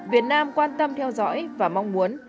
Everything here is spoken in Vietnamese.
việt nam quan tâm theo dõi và mong muốn